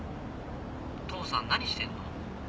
父さん何してんの？